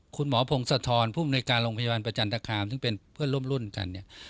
พงศธรภูมิในการโรงพยาบาลประจันตคามซึ่งเป็นเพื่อนร่วมรุ่นกันเนี่ย